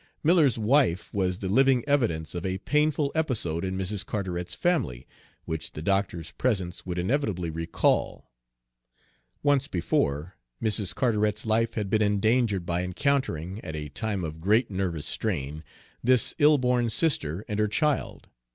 Miller's wife was the living evidence of a painful episode in Mrs. Carteret's family, which the doctor's presence would inevitably recall. Once before, Mrs. Carteret's life had been endangered by encountering, at a time of great nervous strain, this ill born sister and her child.